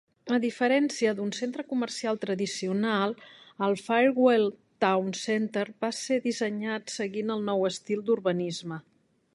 A diferència d'un centre comercial tradicional, Firewheel Town Center va ser dissenyat seguint el nou estil d'urbanisme.